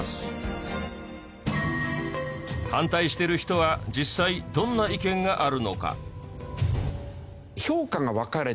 反対している人は実際どんな意見があるのか？